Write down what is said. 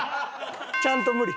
ちゃんと無理？